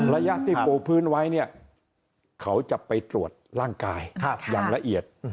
ระยะที่ปูพื้นไว้เนี่ยเขาจะไปตรวจร่างกายอย่างละเอียด